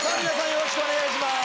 よろしくお願いします。